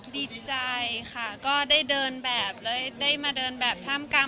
ดีใจค่ะก็ได้เดินแบบและได้มาเดินแบบท่ามกลาง